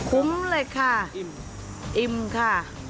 คุ้มเลยค่ะอิ่มค่ะ